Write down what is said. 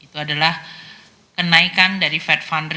itu adalah kenaikan dari fed fund rate eh dari us treasury